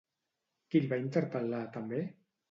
Qui el va interpel·lar, també?